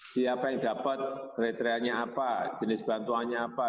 siapa yang dapat kriterianya apa jenis bantuannya apa